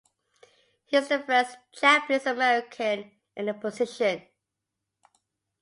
He is the first Japanese American in the position.